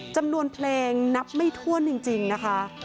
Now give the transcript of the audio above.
จำนวนเพลงนับไม่ถ้วนจริงนะคะ